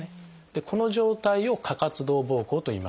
この状態を「過活動ぼうこう」といいます。